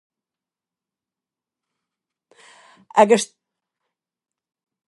Agus tabharfaidh mé an mic do Phiaras le haghaidh an nuacht a thabhairt daoibh.